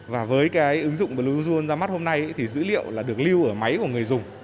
và với ứng dụng bluezone ra mắt hôm nay thì dữ liệu được lưu ở máy của người dùng